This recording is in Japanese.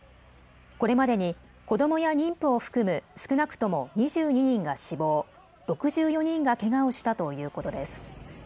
これまでに子どもや妊婦を含む少なくとも２２人が死亡、６４人がけがをしたということです。